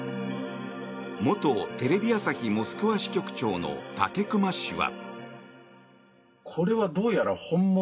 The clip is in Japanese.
元テレビ朝日モスクワ支局長の武隈氏は。